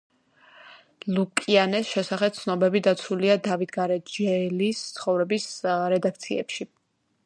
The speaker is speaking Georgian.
ლუკიანეს შესახებ ცნობები დაცულია „დავით გარეჯელის ცხოვრების“ რედაქციებში.